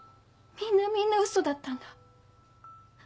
みんなみんな嘘だったんだ。